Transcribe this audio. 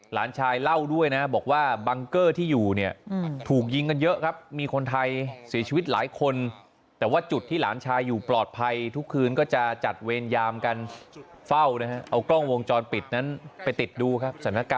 หลานชายเล่าด้วยนะบอกว่าบังเกอร์ที่อยู่เนี่ยถูกยิงกันเยอะครับ